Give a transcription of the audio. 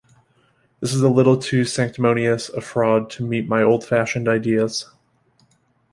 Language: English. This is a little too sanctimonious a fraud to meet my old-fashioned ideas.